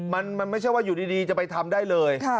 มันไม่ใช่ว่าอยู่ดีจะไปทำได้เลย